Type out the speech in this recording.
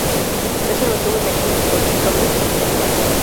Él se mantuvo en la King's College, Cambridge, hasta su muerte.